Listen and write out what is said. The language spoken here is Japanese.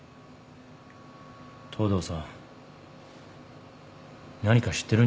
東堂さん何か知ってるんじゃないですか？